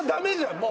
もう。